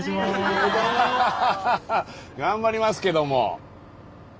頑張りますけども。